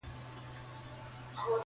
اسمان او مځکه نیولي واوري -